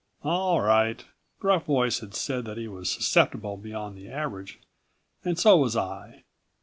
All right. Gruff Voice had said that he was susceptible beyond the average and so was I.